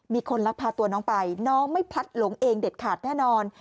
มีคนลักพาตัวน้องไปน้องไม่พลัดหลงเองเด็ดขาดแน่นอน